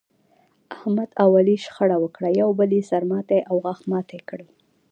احمد او علي شخړه وکړه، یو بل یې سر ماتی او غاښ ماتی کړل.